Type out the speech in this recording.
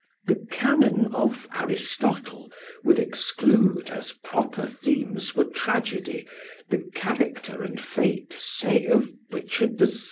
The canon of Aristotle would exclude as proper themes for tragedy the character and fate, say, of Richard III.